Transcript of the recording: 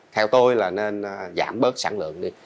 theo tôi là nên giảm bớt sản lượng đi